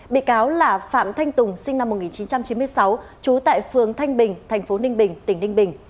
bị cáo là phạm thanh tùng sinh năm một nghìn chín trăm chín mươi sáu trú tại phường thanh bình tp ninh bình tỉnh ninh bình